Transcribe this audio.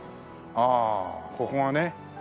ああここがね。